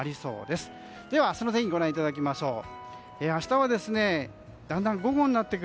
では、明日の天気ご覧いただきましょう。